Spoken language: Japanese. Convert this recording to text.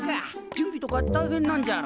準備とか大変なんじゃろ？